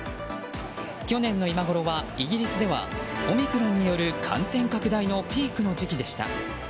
去年の今ごろはイギリスではオミクロンによる感染拡大のピークの時期でした。